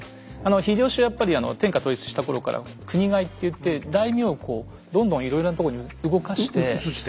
秀吉はやっぱり天下統一した頃から国替えっていって大名をこうどんどんいろいろなとこに動かして。